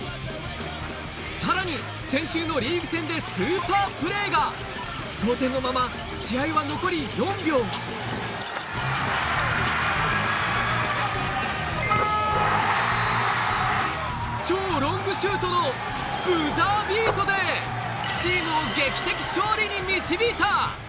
さらに先週のリーグ戦でスーパープレーが同点のまま試合は残り４秒超ロングシュートのチームを劇的勝利に導いた！